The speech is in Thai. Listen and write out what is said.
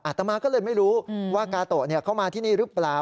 ตมาก็เลยไม่รู้ว่ากาโตะเข้ามาที่นี่หรือเปล่า